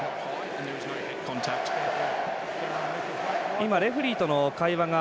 今レフリーとの会話が